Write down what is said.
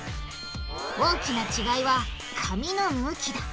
大きな違いは紙の向きだ。